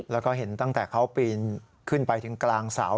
แล้วก็เห็นตั้งแต่เขาปีนขึ้นไปถึงกลางเสา